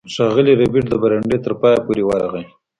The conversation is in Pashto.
ښاغلی ربیټ د برنډې تر پایه پورې ورغی